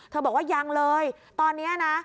บอกว่ายังเลยตอนนี้นะ